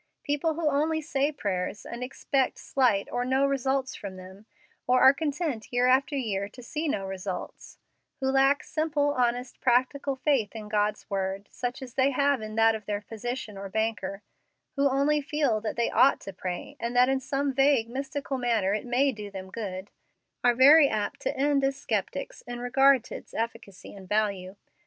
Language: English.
People who only say prayers, and expect slight, or no results from them, or are content year after year to see no results who lack simple, honest, practical faith in God's word, such as they have in that of their physician or banker who only feel that they ought to pray, and that in some vague, mystical manner it may do them good, are very apt to end as sceptics in regard to its efficacy and value.